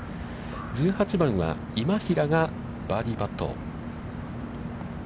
１８番は、今平がバーディーパット。